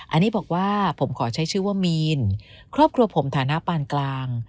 อันนี้บอกว่าผมขอใช้ชื่อว่ามีนครอบครัวผมฐานะปานกลาง